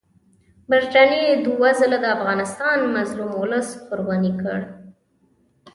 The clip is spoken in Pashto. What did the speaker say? برټانیې دوه ځله د افغانستان مظلوم اولس قرباني کړ.